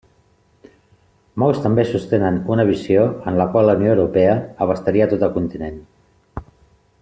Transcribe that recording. Molts també sostenen una visió en la qual la Unió Europea abastaria tot el continent.